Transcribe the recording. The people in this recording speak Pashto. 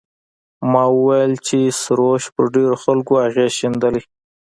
ما وویل چې سروش پر ډېرو خلکو اغېز ښندلی.